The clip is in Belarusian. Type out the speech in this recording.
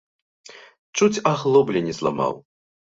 Чуць аглоблі не зламаў.